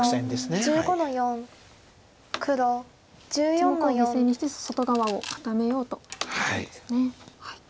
１目を犠牲にして外側を固めようということですね。